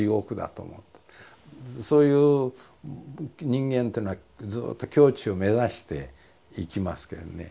そういう人間っていうのはずっと境地を目指していきますけどね